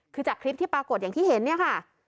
คือจากคลิปที่ปรากฏอย่างที่เห็นเนี่ยค่ะ